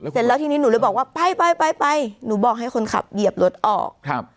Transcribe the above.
เสร็จแล้วทีนี้หนูเลยบอกว่าไปไปไปหนูบอกให้คนขับเหยียบรถออกครับ